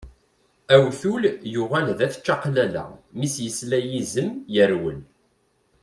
Awtul yuɣal d at čaqlala, mi s-yesla yizem yerwel.